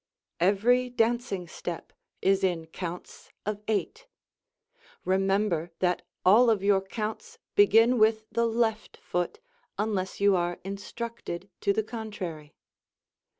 Every dancing step is in counts of eight. Remember that all of your counts begin with the left foot unless you are instructed to the contrary.